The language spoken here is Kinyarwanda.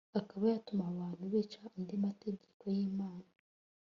akaba yatuma abantu bica andi mategeko y'imana